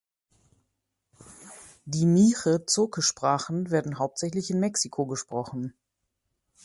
Die Mixe-Zoque-Sprachen werden hauptsächlich in Mexiko gesprochen.